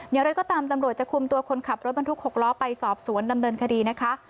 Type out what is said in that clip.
อย่างไรก็ตามตำรวจจะคุมตัวคนขับรถบรรทุก๖ล้อไปสอบสวนดำเนินคดีนะคะ